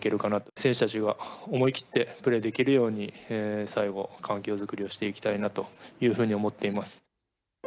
選手たちが思い切ってプレーできるように、最後、環境作りをしていきたいなというふうに思っています。